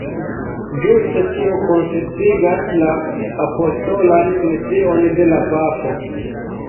Ĝuste tio konsistigas la apostolan mision de la papo.